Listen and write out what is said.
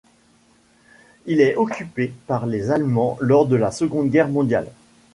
Il est occupé par les Allemands lors de la Seconde Guerre mondiale.